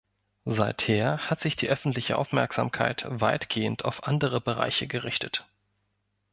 Seither hat sich die öffentliche Aufmerksamkeit weitgehend auf andere Bereiche gerichtet.